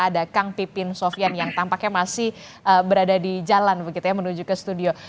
ada kang pipin sofian yang tampaknya masih berada di jalan begitu ya menuju ke studio